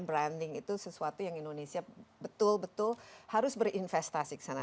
branding itu sesuatu yang indonesia betul betul harus berinvestasi ke sana